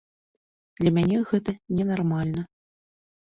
Для мяне гэта ненармальна.